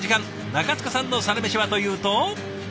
中塚さんのサラメシはというと。